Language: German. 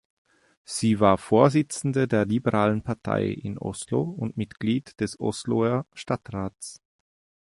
Sie war Vorsitzende der Liberalen Partei in Oslo und Mitglied des Osloer Stadtrats.